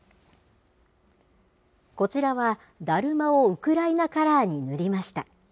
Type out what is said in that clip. こちらはだるまをウクライナカラーに塗りました。